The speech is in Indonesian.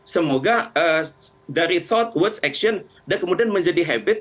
semoga dari thought words action dan kemudian menjadi habit